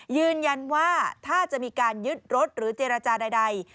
ยืนยันว่าถ้าจะมีการยึดรถหรือเจรจาใด